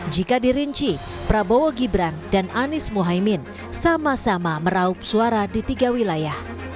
jika dirinci prabowo gibran dan anies mohaimin sama sama meraup suara di tiga wilayah